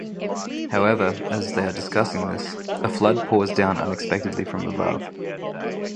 However, as they are discussing this, a flood pours down unexpectedly from above.